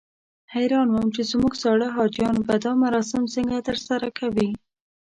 حیران وم چې زموږ زاړه حاجیان به دا مراسم څنګه ترسره کوي.